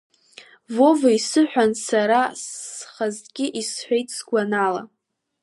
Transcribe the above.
Вова изыҳәангьы, сара схазгьы исҳәеит сгәанала…